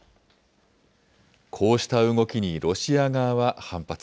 こうした動きにロシア側は反発。